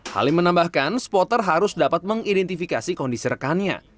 halim menambahkan supporter harus dapat mengidentifikasi kondisi rekannya